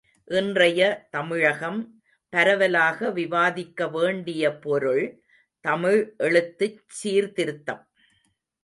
இன்றைய தமிழகம் பரவலாக விவாதிக்க வேண்டிய பொருள் தமிழ் எழுத்துச் சீர்திருத்தம்.